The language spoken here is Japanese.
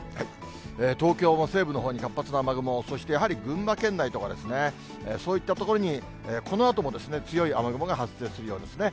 東京も西部のほうに活発な雨雲、そしてやはり群馬県内とかですね、そういった所にこのあとも強い雨雲が発生するようですね。